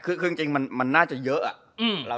คือจริงมันน่าจะเยอะอะ